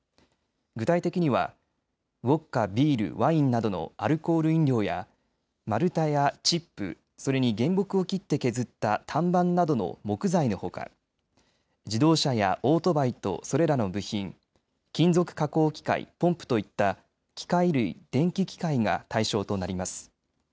具体的にはウォッカ、ビール、ワインなどのアルコール飲料や丸太やチップそれに原木を切って削った単板などの木材のほか自動車やオートバイとそれらの部品、金属加工機械、ポンプといった機械類・電気機械が対象となります。